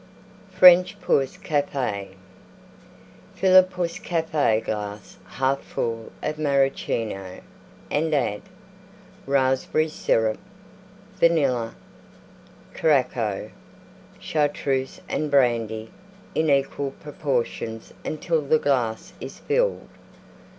FRENCH POUSSE CAFE Fill a Pousse Cafe glass 1/2 full of Maraschino and add: Raspberry Syrup, Vanilla, Curacoa, Chartreuse and Brandy in equal proportions until the glass is filled.